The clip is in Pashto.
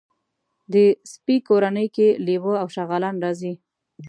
د سپي کورنۍ کې لېوه او شغالان راځي.